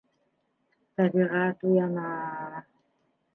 Тәбиғәт уяна...